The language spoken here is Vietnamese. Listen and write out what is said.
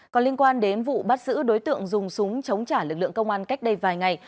còn liên quan đến vụ bắt giữ đối tượng dùng súng chống trả lực lượng công an cách đây vài ngày